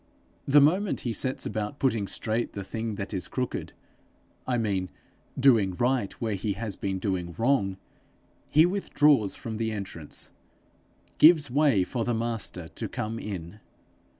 The moment he sets about putting straight the thing that is crooked I mean doing right where he has been doing wrong, he withdraws from the entrance, gives way for the Master to come in.